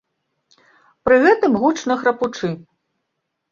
Пры гэтым гучна храпучы.